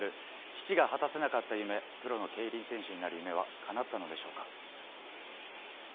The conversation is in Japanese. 父が果たせなかった夢、プロの競輪選手になる夢はかなったのでしょうか。